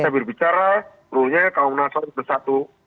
saya berbicara rulenya kalau menang soal itu satu